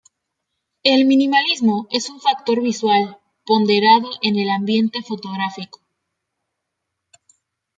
El minimalismo es un factor visual ponderado en el ambiente fotográfico.